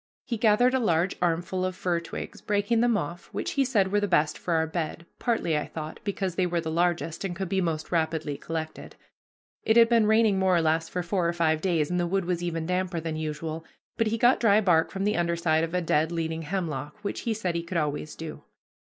He gathered a large armful of fir twigs, breaking them off, which he said were the best for our bed, partly, I thought, because they were the largest and could be most rapidly collected. It had been raining more or less for four or five days, and the wood was even damper than usual, but he got dry bark from the under side of a dead leaning hemlock, which he said he could always do.